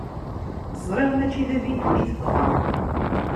Ẓriɣ mačči d abidun i tebɣa.